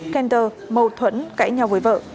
kenter mâu thuẫn cãi nhau với vợ